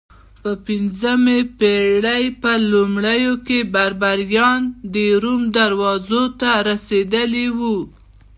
د پنځمې پېړۍ په لومړیو کې بربریان د روم دروازو ته رسېدلي وو